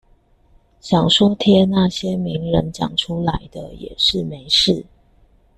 想說貼那些名人講出來的也是沒事